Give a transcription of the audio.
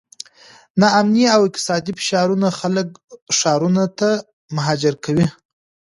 ناامني او اقتصادي فشارونه خلک ښارونو ته مهاجر کوي.